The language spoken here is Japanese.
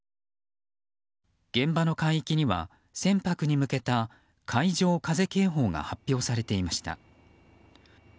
現場の海域には、船舶に向けた海上風警報が発表されていました。